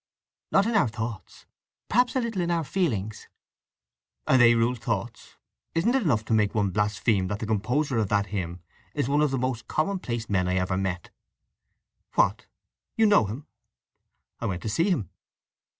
"Not in our thoughts! Perhaps a little in our feelings." "And they rule thoughts… Isn't it enough to make one blaspheme that the composer of that hymn is one of the most commonplace men I ever met!" "What—you know him?" "I went to see him."